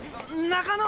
中野！